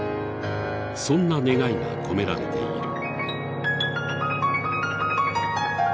そんな願いが込められている。